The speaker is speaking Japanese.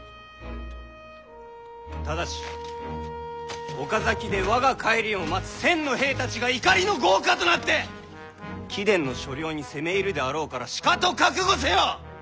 ただし岡崎で我が帰りを待つ１，０００の兵たちが怒りの業火となって貴殿の所領に攻め入るであろうからしかと覚悟せよ！